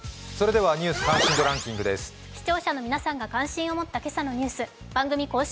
視聴者の皆さんが関心を持った今朝のニュース、番組の公式